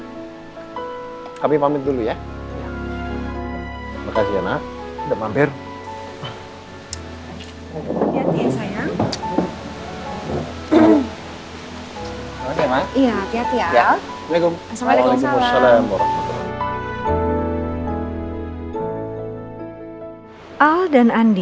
jadi kalau abang berkeley itu panggil dia nanti